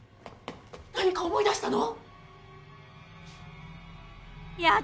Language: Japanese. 何か思い出したの？